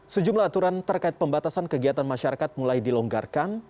sejumlah aturan terkait pembatasan kegiatan masyarakat mulai dilonggarkan